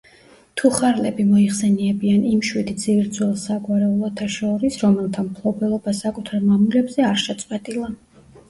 თუხარლები მოიხსენიებიან იმ შვიდ ძირძველ საგვარეულოთა შორის, რომელთა მფლობელობა საკუთარ მამულებზე არ შეწყვეტილა.